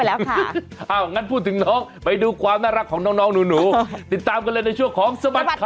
แล้วค่ะงั้นพูดถึงน้องไปดูความน่ารักของน้องหนูติดตามกันเลยในช่วงของสบัดข่าว